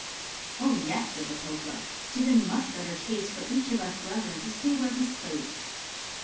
" "Oh, yes," said the Poker, "'tis much better taste For each of us brethren to stay where he 's placed."